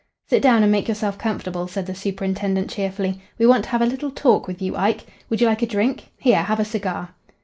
"Sit down and make yourself comfortable," said the superintendent cheerfully. "We want to have a little talk with you, Ike. Would you like a drink? Here, have a cigar."